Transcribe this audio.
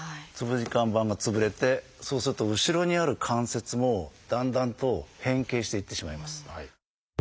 椎間板が潰れてそうすると後ろにある関節もだんだんと変形していってしまいます。